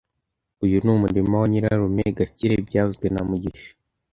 Uyu ni umurima wa nyirarume Gakire byavuzwe na mugisha